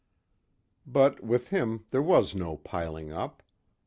But with him there was no piling up.